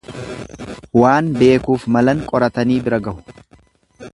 Waan beekuuf malan qoratanii bira gahu.